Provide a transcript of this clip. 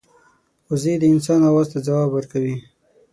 وزې د انسان آواز ته ځواب ورکوي